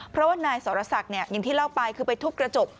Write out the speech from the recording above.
เพราะว่านายสรศักดิ์อย่างที่เล่าไปคือไปทุบกระจก